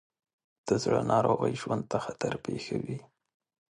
د زړه ناروغۍ ژوند ته خطر پېښوي.